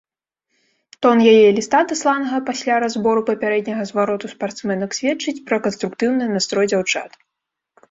Тон яе ліста, дасланага пасля разбору папярэдняга звароту спартсменак, сведчыць пра канструктыўны настрой дзяўчат.